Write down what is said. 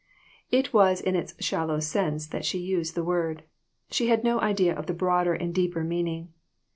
It was in its shallow sense that she used the word. She had no idea of the broader and deeper meaning.